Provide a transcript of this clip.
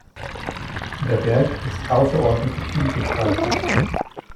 Der Berg ist ausserordentlich vielgestaltig.